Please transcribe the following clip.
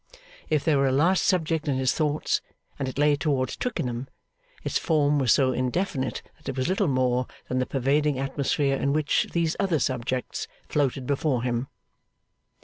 If there were a last subject in his thoughts, and it lay towards Twickenham, its form was so indefinite that it was little more than the pervading atmosphere in which these other subjects floated before him.